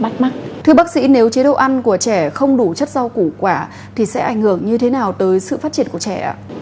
thưa bác sĩ nếu chế độ ăn của trẻ không đủ chất rau củ quả thì sẽ ảnh hưởng như thế nào tới sự phát triển của trẻ ạ